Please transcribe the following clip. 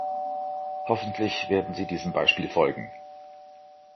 Hoffentlich werden sie diesem Beispiel folgen.